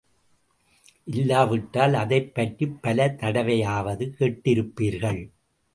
இல்லாவிட்டால் அதைப் பற்றிப் பல தடவையாவது கேட்டிருப்பீர்கள்.